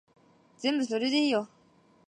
全部それでいいよ